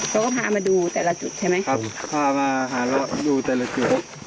เขาก็พามาดูแต่ละจุดใช่ไหมครับผมพามาหาเราดูแต่ละจุด